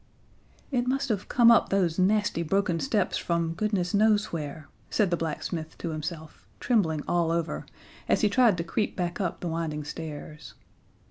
"It must have come up those nasty broken steps from goodness knows where," said the blacksmith to himself, trembling all over, as he tried to creep back up the winding stairs.